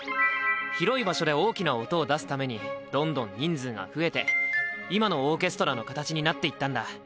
広い場所で大きな音を出すためにどんどん人数が増えて今のオーケストラの形になっていったんだ！